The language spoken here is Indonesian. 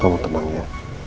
kamu tenang ya